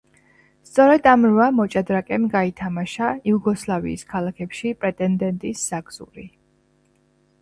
სწორედ ამ რვა მოჭადრაკემ გაითამაშა იუგოსლავიის ქალაქებში პრეტენდენტის საგზური.